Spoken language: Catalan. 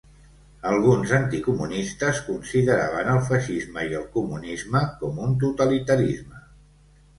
Alguns anticomunistes consideraven el feixisme i el comunisme com un totalitarisme.